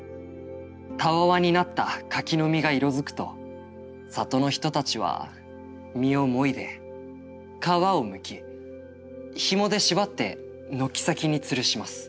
たわわに成った柿の実が色づくと里の人たちは実をもいで皮を剥き紐で縛って軒先に吊るします。